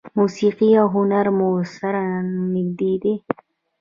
موسیقي او هنر مو سره نږدې دي.